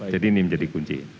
jadi ini menjadi kunci